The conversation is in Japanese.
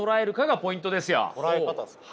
捉え方ですか？